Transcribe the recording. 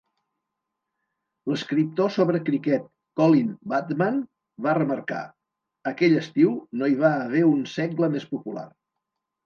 L'escriptor sobre criquet Colin Bateman va remarcar: "aquell estiu no hi va haver un segle més popular".